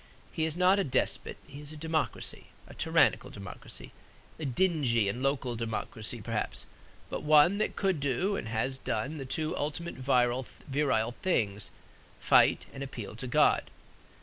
He is not a despot; he is a democracy, a tyrannical democracy, a dingy and local democracy perhaps; but one that could do and has done the two ultimate virile things fight and appeal to God.